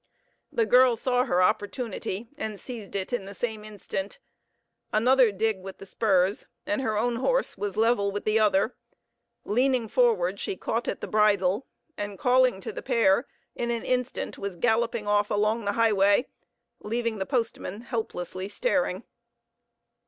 The girl saw her opportunity, and seized it in the same instant. Another dig with the spurs, and her own horse was level with the other; leaning forward she caught at the bridle, and calling to the pair, in an instant was galloping off along the highway, leaving the postman helplessly staring.